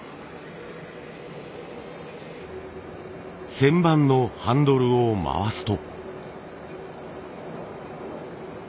旋盤のハンドルを回すと。